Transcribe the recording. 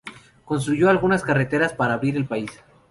Construyó algunas carreteras para abrir el país.